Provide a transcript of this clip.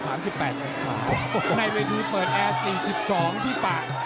ในวีดีโอเปิดแอร์๔๒ที่ปาก